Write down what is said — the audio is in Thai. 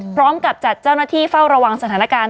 พร้อมกับจัดเจ้าหน้าที่เฝ้าระวังสถานการณ์